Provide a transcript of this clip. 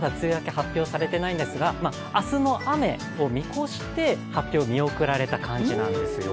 まだ発表されていないんですが、明日の雨を見越して発表を見送られた感じなんですよ。